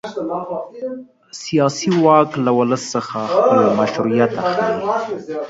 سیاسي واک له ولس څخه خپل مشروعیت اخلي.